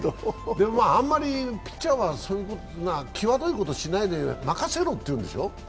でもあんまり、ピッチャーはきわどいことしなくて任せろというんでしょう？